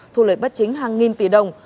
thu lợi bắt chính hàng nghìn tỷ đồng